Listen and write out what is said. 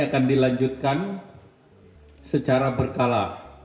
akan dilanjutkan secara berkala